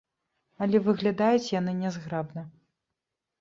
Але выглядаюць яны нязграбна.